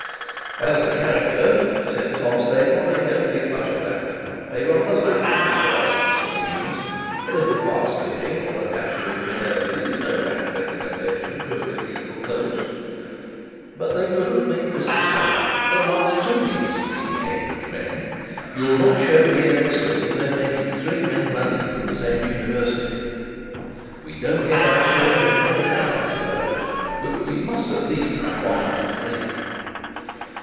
'As to character,' said Tom Staple, 'I don't think much of that. They rather like loose parsons for deans; a little fast living, or a dash of infidelity, is no bad recommendation to a cathedral close. But they couldn't make Mr Slope; the last two deans have been Cambridge men; you'll not show me an instance of their making three men running from the same University. We don't get out share, and never shall, I suppose; but we must at least have one out of the three.'